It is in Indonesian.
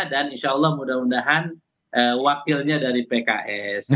dan insya allah mudah mudahan wakilnya dari pks